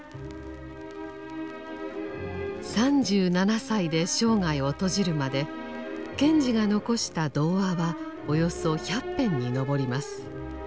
３７歳で生涯を閉じるまで賢治が残した童話はおよそ１００編にのぼります。